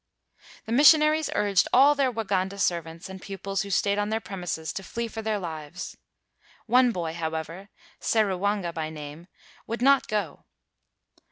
The missionaries urged all their Waganda servants and pupils who stayed on their IDremises to flee for their lives. One boy, however, Seruwanga by name, would not go.